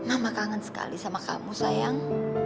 mama kangen sekali sama kamu sayang